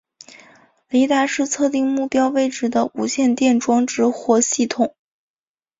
雷达是测定目标位置的无线电装置或系统。